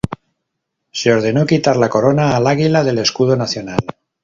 Se ordenó quitar la corona al águila del escudo nacional.